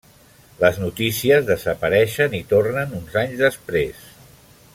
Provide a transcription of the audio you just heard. Les notícies desapareixen i tornen uns anys després.